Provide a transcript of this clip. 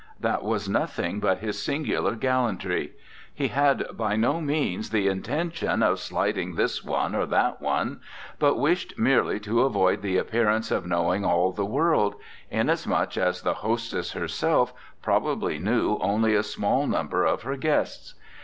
that was nothing but his singular gallantry; he had by no means the intention of slighting this one or that one, but wished merely to avoid the appearance of knowing all the world, inasmuch as the hostess herself probably knew only a small number of her guests.